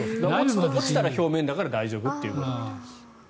落ちたら表面だから大丈夫ということです。